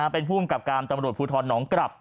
เป็นภูมิกับการตำรวจภูทรน้องกลับ